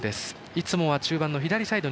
いつもは中盤の左サイド。